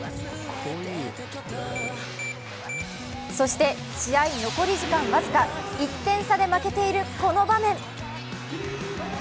そして試合残り時間僅か、１点差で負けているこの場面。